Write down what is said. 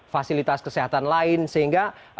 fasilitas kesehatan lain sehingga